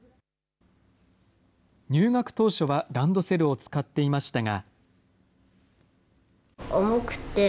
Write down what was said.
入学当初はランドセルを使っていましたが。